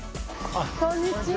こんにちは。